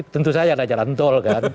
tentu saja ada jalantol kan